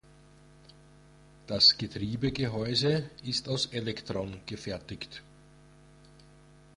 Das Getriebegehäuse ist aus Elektron gefertigt.